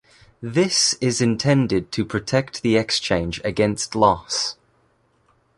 This is intended to protect the exchange against loss.